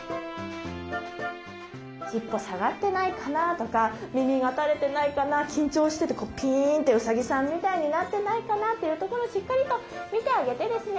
尻尾下がってないかなとか耳が垂れてないかな緊張しててピーンとウサギさんみたいになってないかなというところをしっかりと見てあげてですね